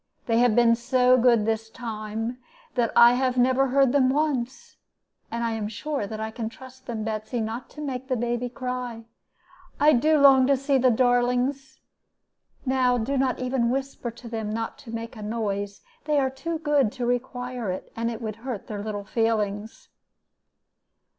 They have been so good this time that I have never heard them once. And I am sure that I can trust them, Betsy, not to make the baby cry. I do so long to see the darlings. Now do not even whisper to them not to make a noise. They are too good to require it; and it would hurt their little feelings.'